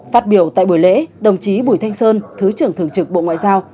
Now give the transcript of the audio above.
phát biểu tại buổi lễ đồng chí bùi thanh sơn thứ trưởng thường trực bộ ngoại giao